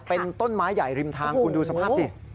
เป็นต้นไม้ใหญ่ริมทางคุณดูสภาพสิ